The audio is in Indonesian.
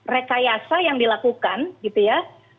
rekayasa yang dilakukan gitu ya